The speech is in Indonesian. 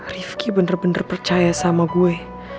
rifki bener bener percaya sama gue